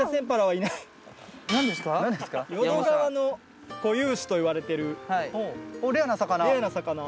淀川の固有種といわれてるレアな魚。